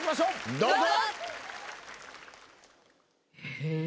どうぞ！